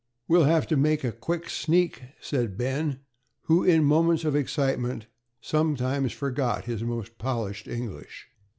"We'll have to make a quick sneak," said Ben, who, in moments of excitement, sometimes forgot his most polished English.